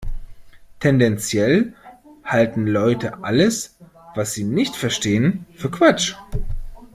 Tendenziell halten Leute alles, was sie nicht verstehen, für Quatsch.